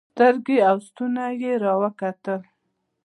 سترګې او ستونى يې راوکتل.